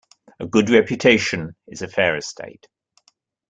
A good reputation is a fair estate.